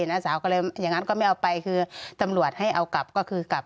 น้าสาวก็เลยอย่างนั้นก็ไม่เอาไปคือตำรวจให้เอากลับก็คือกลับ